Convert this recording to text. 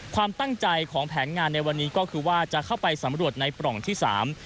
ความตั้งใจของแผนงานในวันนี้ก็คือว่าจะเข้าไปสำรวจในปล่องที่สาม